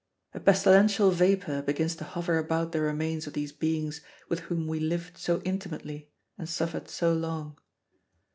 A pestilential vapor begins to hover about the remains of these beings with whom we lived so intimately and suffered so long.